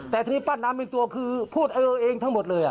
แต่ทีนี้ปั้นน้ำเป็นตัวคือพูดเออเองทั้งหมดเลย